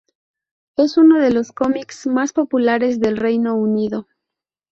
Es uno de los cómics más populares del Reino Unido.